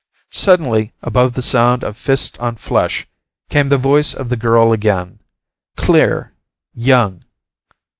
Suddenly, above the sound of fist on flesh, came the voice of the girl again, clear, young.